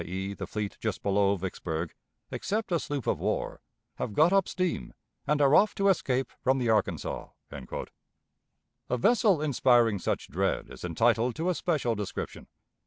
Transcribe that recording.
e., the fleet just below Vicksburg), except a sloop of war, have got up steam, and are off to escape from the Arkansas." A vessel inspiring such dread is entitled to a special description.